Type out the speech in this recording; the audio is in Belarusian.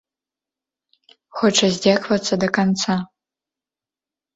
Хоча здзекавацца да канца.